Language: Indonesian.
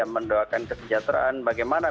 mendoakan kesejahteraan bagaimana